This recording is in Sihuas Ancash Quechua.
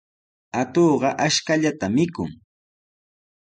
Atuqqa ashkallata mikun.